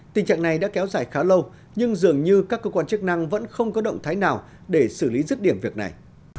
tình trạng này đã kéo dài khá lâu nhưng dường như các cơ quan chức năng vẫn không có động thái nào để xử lý rứt điểm việc này